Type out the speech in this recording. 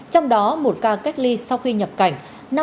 trong đó một ca cách ly sau khi nhập cảnh